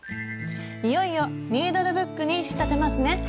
いよいよニードルブックに仕立てますね。